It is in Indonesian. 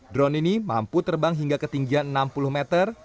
drone ini mampu terbang hingga ketinggian enam puluh meter